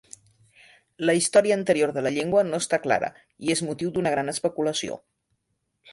La història anterior de la llengua no està clara i és motiu d'una gran especulació.